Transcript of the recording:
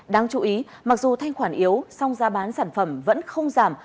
đáng chú ý mặc dù thanh khoản yếu song giá bán sản phẩm vẫn không giảm